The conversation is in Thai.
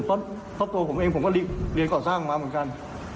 เพราะตัวผมเองก็เรียนก่อสร้างมาก่อน